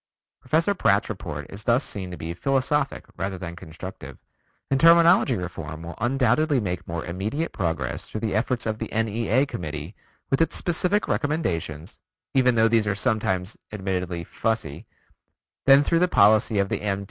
Professor Pratt's report is thus seen to be philosophic rather than constructive, and terminology reform will undoubtedly make more immediate progress through the efforts of the N.E.A. Committee with its specific recommendations (even though these are sometimes admittedly fussy) than through the policy of the M.